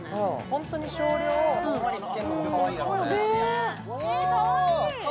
ホントに少量ふんわりつけるのもかわいいやろね